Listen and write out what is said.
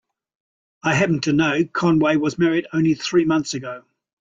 I happen to know Conway was married only three months ago.